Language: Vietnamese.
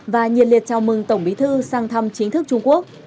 và nhiệt liệt chào mừng tổng bí thư sang thăm chính thức trung quốc